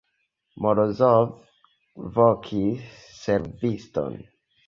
Morozov vokis serviston.